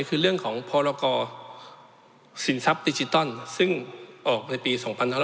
คือเรื่องของพรกรสินทรัพย์ดิจิตอลซึ่งออกในปี๒๕๖๐